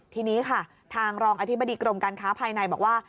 ทีนี้ค่ะทางรองอธิบดีกรมการค้าภายในบอกว่า